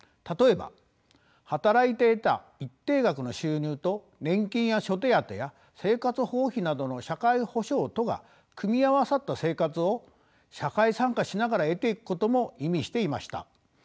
例えば働いて得た一定額の収入と年金や諸手当や生活保護費などの社会保障とが組み合わさった生活を社会参加しながら得ていくことも意味していました。